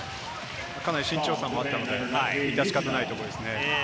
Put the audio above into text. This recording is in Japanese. かなり身長差もあったので、致し方ないところですね。